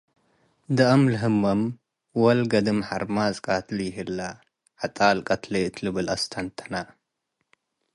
ደአም ለህመ'ም፤- “ወል ገድም ሐርማዝ ቃትሉ ይሀለ፣ ዐጣል ቀትለዩ” እት ልብል - አስተንተነ።